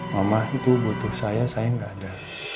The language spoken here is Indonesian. mama itu butuh saya saya enggak ada